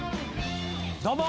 どうも！